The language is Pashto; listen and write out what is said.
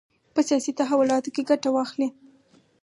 په سیاسي تحولاتو کې ګټه واخلي.